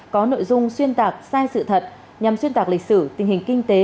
có nội dung xuyên tạc sai sự thật nhằm xuyên tạc lịch sử tình hình kinh tế